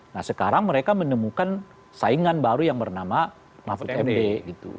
nah sekarang mereka menemukan saingan baru yang bernama mahfud md gitu